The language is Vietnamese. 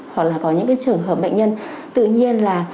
hoặc là có những cái trường hợp bệnh nhân tự nhiên là